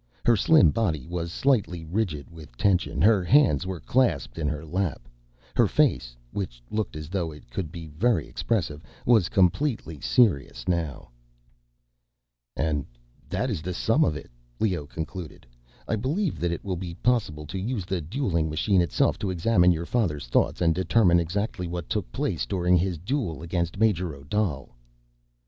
Her slim body was slightly rigid with tension, her hands were clasped in her lap. Her face—which looked as though it could be very expressive—was completely serious now. "And that is the sum of it," Leoh concluded. "I believe that it will be possible to use the dueling machine itself to examine your father's thoughts and determine exactly what took place during his duel against Major Odal!"